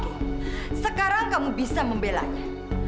sekarang kamu bisa membelanya